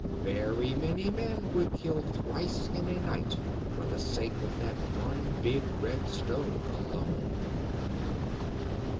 Very many men would kill thrice in a night for the sake of that one big red stone alone."